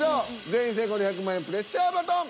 全員成功で１００万円プレッシャーバトン。